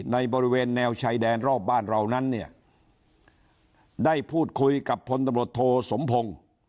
ในบริเวณแนวชายแดนรอบบ้านเรานั้นเนี่ยได้พูดคุยกับพลตำรวจโทสมพงศ์